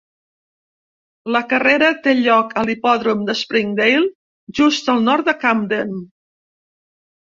La carrera té lloc a l'hipòdrom de Springdale, just al nord de Camden.